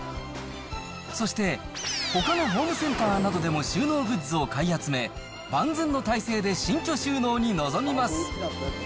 そしてほかのホームセンターなどでも収納グッズを買い集め、万全の態勢で新居収納に臨みます。